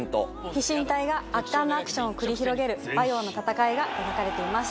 飛信隊が圧巻のアクションを繰り広げる馬陽の戦いが描かれています。